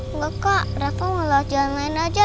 enggak kak rafa meluas jalan lain aja